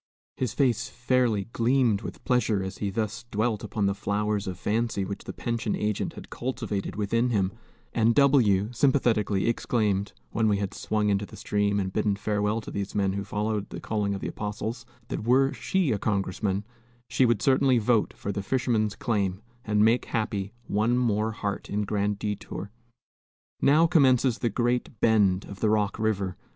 His face fairly gleamed with pleasure as he thus dwelt upon the flowers of fancy which the pension agent had cultivated within him; and W sympathetically exclaimed, when we had swung into the stream and bidden farewell to these men who followed the calling of the apostles, that were she a congressman she would certainly vote for the fisherman's claim, and make happy one more heart in Grand Detour. Now commences the Great Bend of the Rock River.